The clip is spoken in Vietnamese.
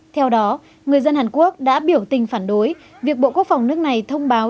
theo đó người dân hàn quốc đã biểu tình phản đối việc bộ quốc phòng nước này thông báo